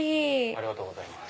ありがとうございます。